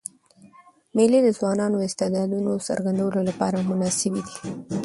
مېلې د ځوانانو د استعدادونو څرګندولو له پاره مناسبي دي.